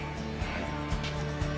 はい。